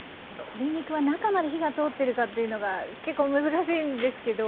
鶏肉は中まで火が通ってるかっていうのが結構難しいんですけど。